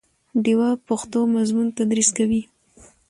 ډیوه پښتو مضمون تدریس کوي